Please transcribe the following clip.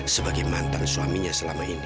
sebagai mantan suaminya selama ini